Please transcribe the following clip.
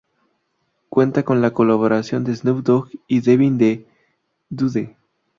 Cuenta con la colaboración de Snoop Dogg y Devin the Dude.